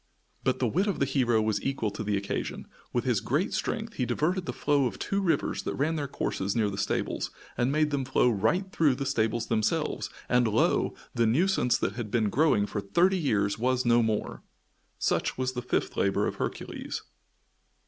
But the wit of the hero was equal to the occasion. With his great strength he diverted the flow of two rivers that ran their courses near the stables and made them flow right through the stables themselves, and lo! the nuisance that had been growing for thirty years was no more! Such was the fifth labor of Hercules.